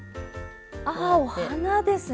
あお花ですね